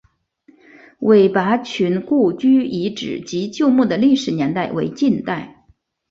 韦拔群故居遗址及旧墓的历史年代为近代。